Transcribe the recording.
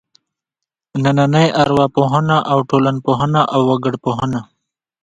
نننۍ ارواپوهنه او ټولنپوهنه او وګړپوهنه.